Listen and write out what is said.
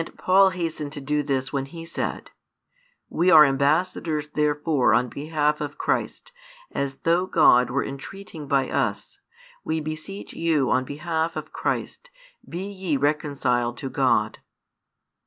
And Paul hastened to do this when he said: We are ambassadors therefore on behalf of Christ, as though God were entreating by us: we beseech you on behalf of Christ, be ye reconciled to God.